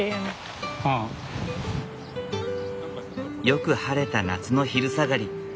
よく晴れた夏の昼下がり。